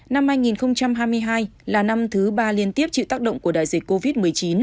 năm hai nghìn hai mươi hai là năm thứ ba liên tiếp chịu tác động của đại dịch covid một mươi chín